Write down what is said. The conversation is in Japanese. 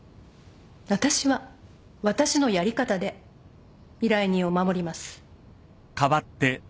私は私のやり方で依頼人を守ります。